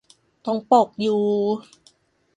ตรงปกอยู่